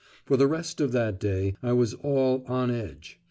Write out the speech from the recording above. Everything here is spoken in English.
For the rest of that day I was all "on edge."